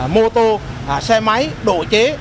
mô tô xe máy độ chế